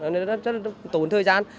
nên rất là tốn thời gian